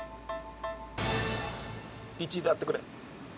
１位であってくれ！